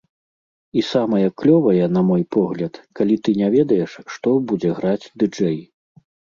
І самае клёвае, на мой погляд, калі ты не ведаеш, што будзе граць ды-джэй.